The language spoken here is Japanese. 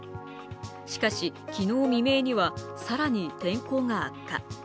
しかし、昨日未明には更に天候が悪化。